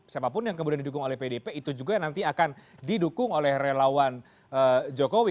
siapapun yang kemudian didukung oleh pdp itu juga yang nanti akan didukung oleh relawan jokowi